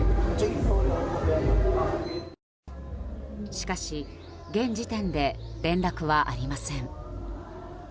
しかし、現時点で連絡はありません。